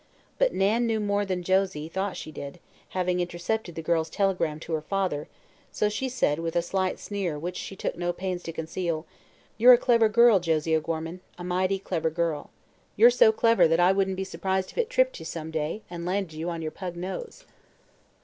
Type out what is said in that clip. But Nan knew more than Josie thought she did, having intercepted the girl's telegram to her father; so she said with a slight sneer which she took no pains to conceal: "You're a clever girl, Josie O'Gorman; a mighty clever girl. You're so clever that I wouldn't be surprised if it tripped you, some day, and landed you on your pug nose."